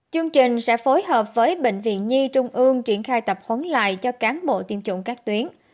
chương trình sẽ phối hợp với bệnh viện nhi trung ương triển khai tập huấn lại cho cán bộ tiêm chủng các tuyến